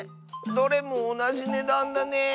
どれもおなじねだんだね。